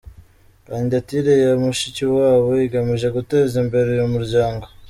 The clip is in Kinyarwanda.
Kandidatire ya Mushikiwabo igamije guteza imbere uyu muryango”.